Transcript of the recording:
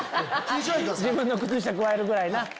自分の靴下くわえるぐらいな。